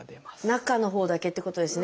中のほうだけってことですね。